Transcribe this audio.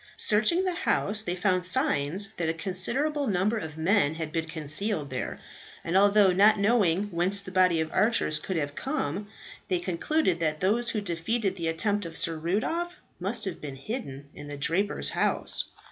Searching the house, they found signs that a considerable number of men had been concealed there, and although not knowing whence the body of archers could have come, they concluded that those who defeated the attempt of Sir Rudolph must have been hidden in the draper's house.